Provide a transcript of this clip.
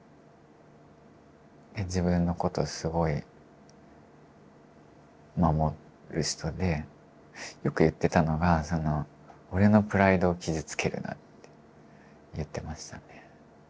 自分のことをすごい守る人でよく言ってたのが「俺のプライドを傷つけるな」って言ってましたね。